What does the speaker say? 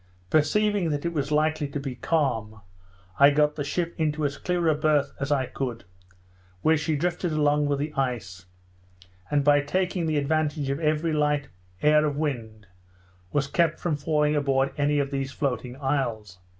Perceiving that it was likely to be calm, I got the ship into as clear a birth as I could, where she drifted along with the ice, and by taking the advantage of every light air of wind, was kept from falling aboard any of these floating isles.